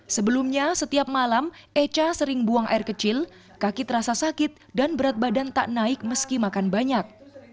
sebelumnya setiap malam eca sering buang air kecil kaki terasa sakit dan berat badan tak naik meski makan banyak